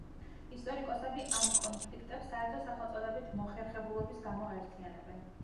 ისტორიკოსები ამ კონფლიქტებს საერთო სახელწოდებით მოხერხებულობის გამო აერთიანებენ.